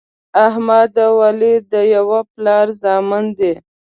احمد او علي د یوه پلار زامن دي.